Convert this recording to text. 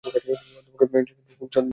অধ্যাপক ডয়সন খুব সদয় ব্যবহার করেছিলেন।